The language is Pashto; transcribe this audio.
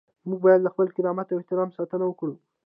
موږ باید له خپل کرامت او احترام ساتنه وکړو.